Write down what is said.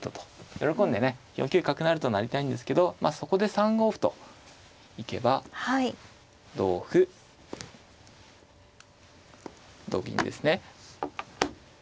喜んでね４九角成と成りたいんですけどそこで３五歩と行けば同歩同銀ですね。